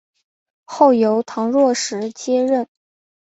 后由唐若时接任。